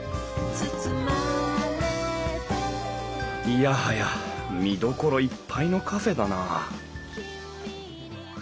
いやはや見どころいっぱいのカフェだなあ